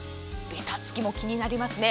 べたつきも気になりますね。